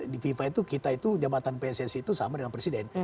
di fifa itu kita itu jabatan pssi itu sama dengan presiden